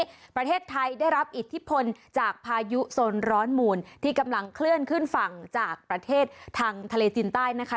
ประเทศไทยได้รับอิทธิพลจากพายุโซนร้อนมูลที่กำลังเคลื่อนขึ้นฝั่งจากประเทศทางทะเลจีนใต้นะคะ